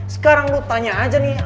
sekarang lo tanya aja nih